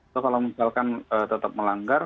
atau kalau misalkan tetap melanggar